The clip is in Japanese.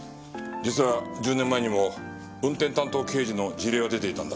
実は１０年前にも運転担当刑事の辞令が出ていたんだ。